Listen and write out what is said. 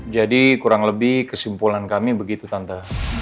jadi kurang lebih kesimpulan kami begitu tante